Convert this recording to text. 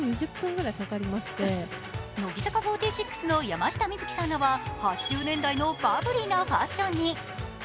乃木坂４６の山下美月さんらは８０年代のバブリーなファッションに。